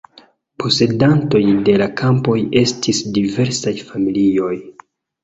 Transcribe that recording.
Posedantoj de la kampoj estis diversaj familioj.